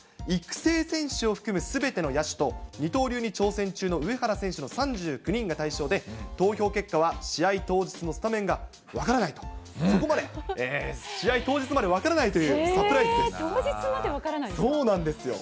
育成選手を含むすべての野手と、二刀流に挑戦中の上原選手ら３９人が対象で、投票結果は試合当日のスタメンが分からないと、そこまで、試合当日まで分からないというサプライズです。